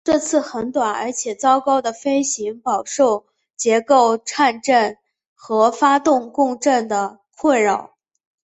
这次很短而且糟糕的飞行饱受结构颤振和发动机共振的困扰。